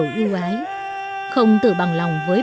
lũ lục nó đã tàn khóc